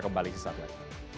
kami segera kembali